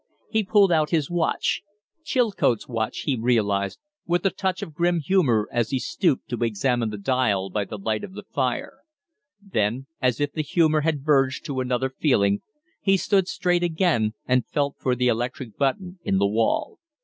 He pulled out his watch Chilcote's watch he realized, with a touch of grim humor as he stooped to examine the dial by the light of the fire; then, as if the humor had verged to another feeling, he stood straight again and felt for the electric button in the wall.